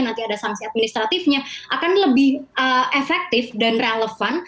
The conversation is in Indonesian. nanti ada sanksi administratifnya akan lebih efektif dan relevan